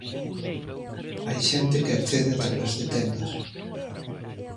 Hai xente que accede a través de tendas.